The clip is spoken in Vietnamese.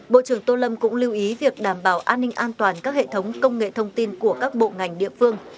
bộ trưởng tô lâm cũng lưu ý việc đảm bảo an ninh an toàn các hệ thống công nghệ thông tin của các bộ ngành địa phương